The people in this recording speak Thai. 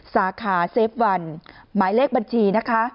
สาขาเซฟวันหมายเลขบัญชีนะคะ